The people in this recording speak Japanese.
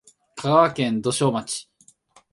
香川県土庄町